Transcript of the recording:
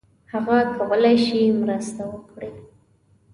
هغه کولای شي مرسته وکړي.